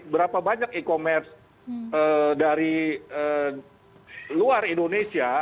berapa banyak e commerce dari luar indonesia